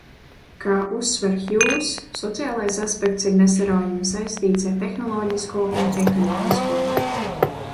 Kā uzsver Hjūzs sociālais aspekts ir nesaraujami saistīts ar tehnoloģisko un ekonomisko.